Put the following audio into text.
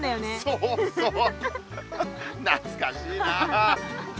そうそうなつかしいな。